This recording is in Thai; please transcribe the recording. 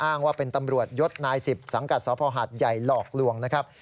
อ้างว่าเป็นตำรวจยศนาย๑๐สังกัดสภหาดใหญ่หลอกลวงนะครับ